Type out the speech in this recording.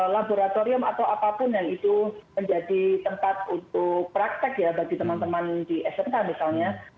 laboratorium atau apapun yang itu menjadi tempat untuk praktek ya bagi teman teman di smk misalnya